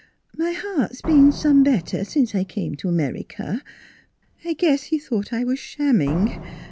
My heart's been some better since I come to America. I guess he thought I was shamming.